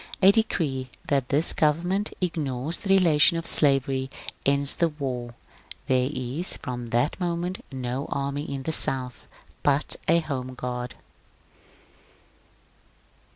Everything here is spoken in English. A decree that this govern ment ignores the relation of slavery ends the war. There is from that moment no army in the South, but a home guard.